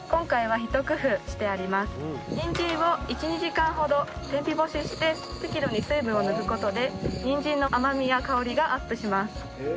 にんじんを１２時間ほど天日干しして適度に水分を抜く事でにんじんの甘みや香りがアップします。